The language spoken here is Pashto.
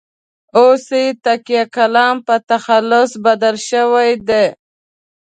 اوس یې تکیه کلام په تخلص بدل شوی دی.